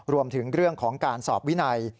รวมถึงเรื่องของการสอบวินัย